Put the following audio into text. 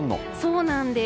そうなんです。